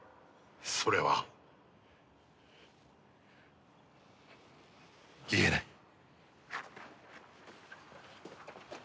それは言えない。